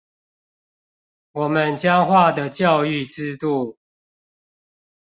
我們僵化的教育制度